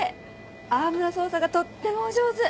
アームの操作がとってもお上手！